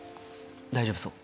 大丈夫そう？